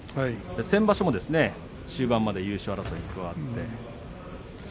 先場所も終盤まで優勝争いに加わりました。